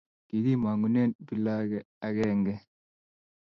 Kikimangune pilage agenge.